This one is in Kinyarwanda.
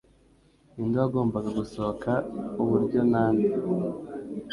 ninde wagombaga gusohoka uburyo nande